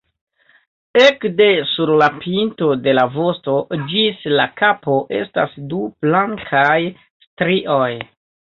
Ekde sur la pinto de la vosto ĝis la kapo estas du blankaj strioj.